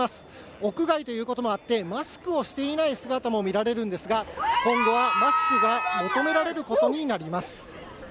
屋外ということもあって、マスクをしていない姿も見られるんですが、今後はマスクが求められることになります。